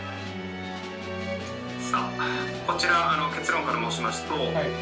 こちら、結論から申しますと。